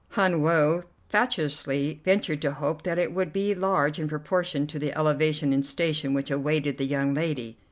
Hun Woe fatuously ventured to hope that it would be large in proportion to the elevation in station which awaited the young lady.